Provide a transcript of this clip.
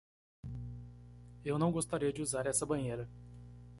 Eu não gostaria de usar essa banheira.